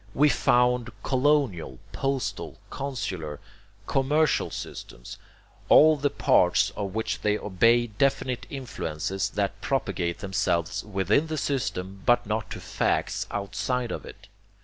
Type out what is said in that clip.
We found colonial, postal, consular, commercial systems, all the parts of which obey definite influences that propagate themselves within the system but not to facts outside of it.